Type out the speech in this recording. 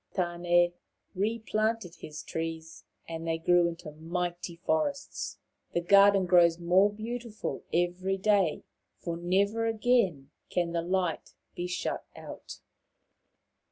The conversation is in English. Tan6 re planted his trees, and they grew into mighty forests. The garden grows more beautiful every day, for never again can the light be shut out.